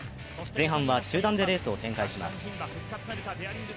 前半は中団でレースを展開します。